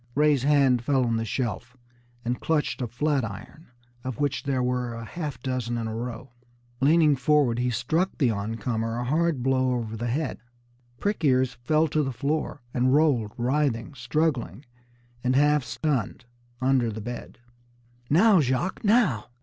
Ray's hand fell on the shelf, and clutched a flat iron, of which there were a half dozen in a row. Leaning forward, he struck the oncomer a hard blow over the head. Prick ears fell to the floor, and rolled, writhing, struggling and half stunned, under the bed. "Now, Jacques, now!"